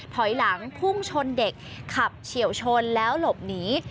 ถอยหลังพุ่งชนเด็กขับเฉียวชนแล้วหลบหนี